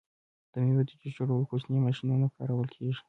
د میوو د جوس جوړولو کوچنۍ ماشینونه کارول کیږي.